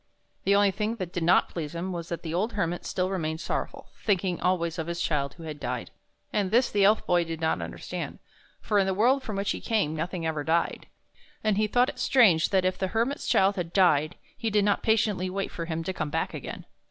The only thing that did not please him was' that the old Hermit still remained sorrowful, thinking always of his child who had died; and this the Elf Boy did not understand, for in the world from which he came nothing ever died, and he thought it strange that if the Hermit's child had died he did not patiently wait for him to come back again.